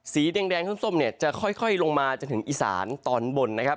สีแดงส้มเนี่ยจะค่อยลงมาจนถึงอีสานตอนบนนะครับ